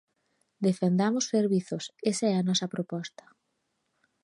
Defendamos servizos, esa é a nosa proposta.